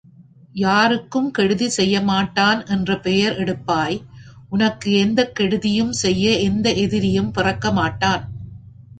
யாருக்கும் கெடுதி செய்யமாட்டான் என்ற பெயர் எடுப்பாய் உனக்கு எந்தக் கெடுதியும் செய்ய எந்த எதிரியும் பிறக்கமாட்டான்.